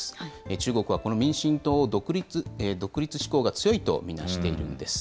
中国はこの民進党を独立志向が強いと見なしているんです。